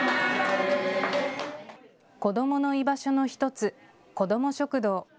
子どもの居場所の１つ、子ども食堂。